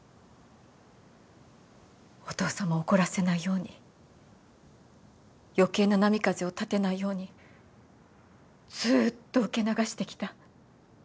お父さまを怒らせないように余計な波風を立てないようにずっと受け流してきた。